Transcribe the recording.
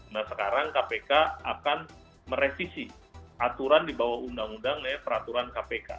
nah sekarang kpk akan merevisi aturan di bawah undang undang peraturan kpk